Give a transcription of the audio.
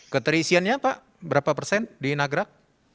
keterisiannya pak berapa persen di nagrak